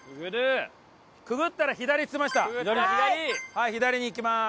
はい左に行きます。